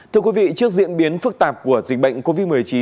thưa quý vị trước diễn biến phức tạp của dịch bệnh covid một mươi chín